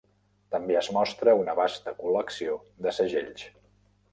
També es mostra una vasta col·lecció de segells.